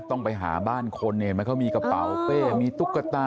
ต้องไปหาบ้านคนเห็นไหมเขามีกระเป๋าเป้มีตุ๊กตา